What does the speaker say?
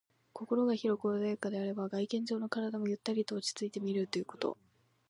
心が広く穏やかであれば、外見上の体もゆったりと落ち着いて見えるということ。